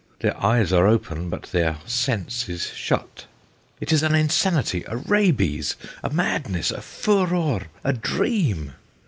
Their eyes are open, but their sense is shut. It is an insanity, a rabies, a madness, a furor, a dream